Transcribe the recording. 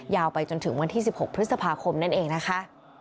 ไปจนถึงวันที่๑๖พฤษภาคมนั่นเองนะคะ